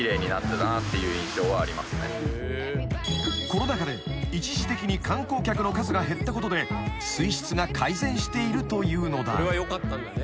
［コロナ禍で一時的に観光客の数が減ったことで水質が改善しているというのだ］